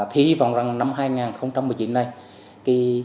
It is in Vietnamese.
thì hy vọng rằng năm hai nghìn một mươi chín này